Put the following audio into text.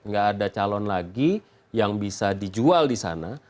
nggak ada calon lagi yang bisa dijual di sana